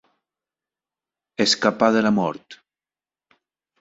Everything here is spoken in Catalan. Escapar de la mort.